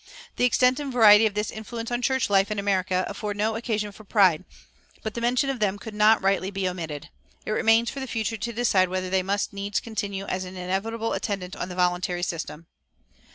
The extent and variety of this influence on church life in America afford no occasion for pride, but the mention of them could not rightly be omitted. It remains for the future to decide whether they must needs continue as an inevitable attendant on the voluntary system.